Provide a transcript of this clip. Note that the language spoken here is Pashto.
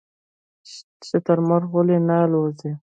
شترمرغ ولې نه الوځي؟